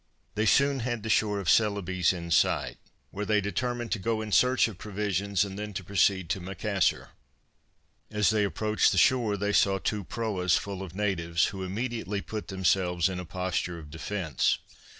They soon had the shore of Celebes in sight, where they determined to go in search of provisions and then to proceed to Macassar. As they approached the shore they saw two proas full of natives, who immediately put themselves in a posture of defence.